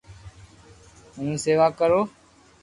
ھون سيوا ڪرو